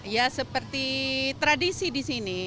ya seperti tradisi di sini